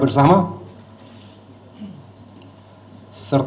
terus terang dengan hati yang berat